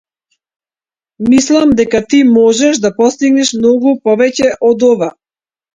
Мислам дека ти можеш да постигнеш многу повеќе од ова.